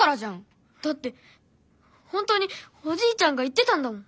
だって本当におじいちゃんが言ってたんだもん！